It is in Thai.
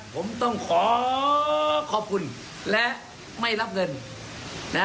ผมต้องขอขอบคุณและไม่รับเงินนะ